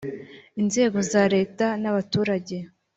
Inzego za Leta n’abaturage